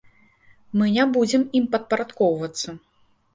Мы не будзем ім падпарадкоўвацца.